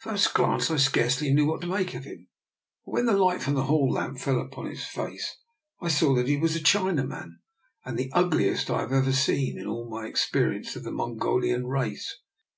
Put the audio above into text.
At first glance I scarce ly knew what to make of him, but when the light from the hall lamp fell upon his face, I saw that he was a Chinaman, and the ugliest I have ever seen in all my experience of the Mongolian race.